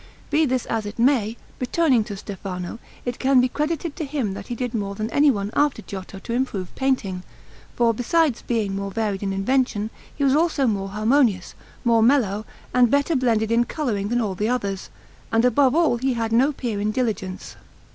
Be this as it may, returning to Stefano, it can be credited to him that he did more than anyone after Giotto to improve painting, for, besides being more varied in invention, he was also more harmonious, more mellow, and better blended in colouring than all the others; and above all he had no peer in diligence.